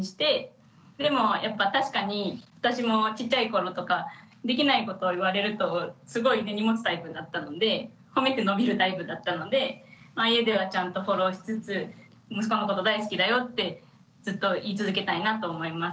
でもやっぱ確かに私もちっちゃい頃とかできないことを言われるとすごい根に持つタイプだったので褒めて伸びるタイプだったので家ではちゃんとフォローしつつ息子のこと大好きだよってずっと言い続けたいなと思います。